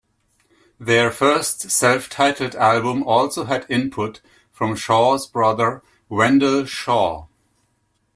Their first self-titled album also had input from Shaw's brother Wendall Shaw.